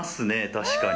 確かに。